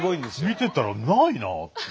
見てたらないなあって。